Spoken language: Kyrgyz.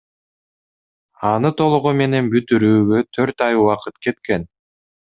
Аны толугу менен бүтүрүүгө төрт ай убакыт кеткен.